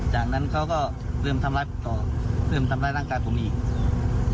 จากนั้นเขาก็เริ่มทำร้ายต่อเริ่มทำร้ายร่างกายผมอีก